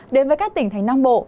đến với các tỉnh thành nam bộ